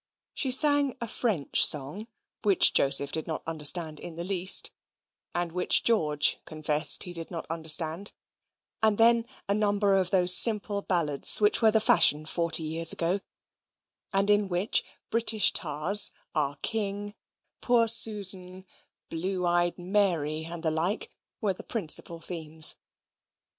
She sang a French song, which Joseph did not understand in the least, and which George confessed he did not understand, and then a number of those simple ballads which were the fashion forty years ago, and in which British tars, our King, poor Susan, blue eyed Mary, and the like, were the principal themes.